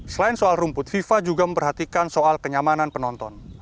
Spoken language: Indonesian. selain soal rumput fifa juga memperhatikan soal kenyamanan penonton